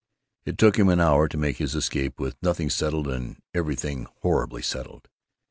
It took him an hour to make his escape, with nothing settled and everything horribly settled.